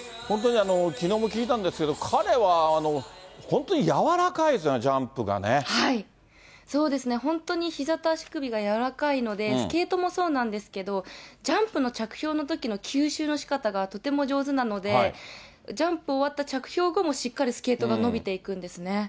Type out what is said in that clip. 本当にきのうも聞いたんですけど、彼は本当に柔らかいですよね、そうですね、本当にひざと足首が柔らかいので、スケートもそうなんですけど、ジャンプの着氷のときの吸収のしかたがとても上手なので、ジャンプ終わった着氷後もしっかりスケートが伸びていくんですね。